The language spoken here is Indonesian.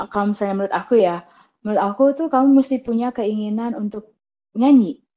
kalau misalnya menurut aku ya menurut aku tuh kamu mesti punya keinginan untuk nyanyi